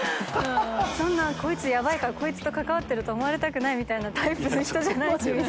そんなこいつヤバいから関わってると思われたくないみたいなタイプの人じゃないし。